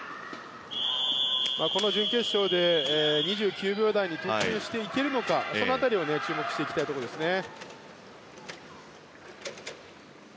この準決勝で２９秒台に突入していけるのかその辺りを注目していきたいところですね。